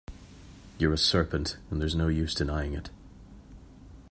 You’re a serpent; and there’s no use denying it.